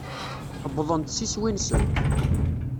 Uwḍent s iswi-nsent.